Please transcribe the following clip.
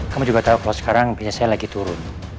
kamu juga tahu kalau sekarang bisnis saya lagi turun